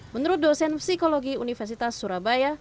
menurut dosen psikologi universitas surabaya